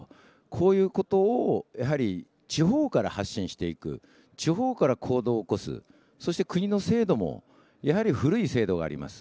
こういうことを、やはり地方から発信していく、地方から行動を起こす、そして、国の制度も、やはり古い制度があります。